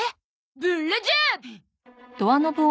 ブ・ラジャー！